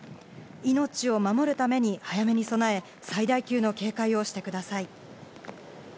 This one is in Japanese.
命を守るために、早めに備え、最大級の警戒をしてください。